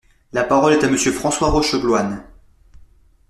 La parole est à Monsieur François Rochebloine.